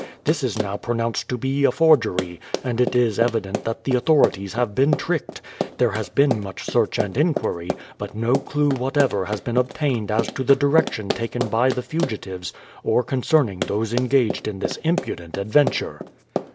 This is now pronounced to be a forgery, and it is evident that the authorities have been tricked. There has been much search and inquiry, but no clue whatever has been obtained as to the direction taken by the fugitives, or concerning those engaged in this impudent adventure."